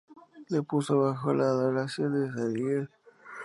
Le puso bajo la advocación de San Miguel.